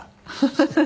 ハハハハ。